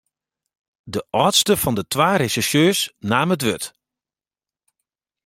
De âldste fan de twa resjersjeurs naam it wurd.